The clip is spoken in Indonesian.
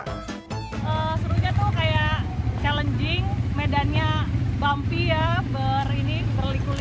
serunya tuh kayak challenging medannya bumpy ya berliku lingka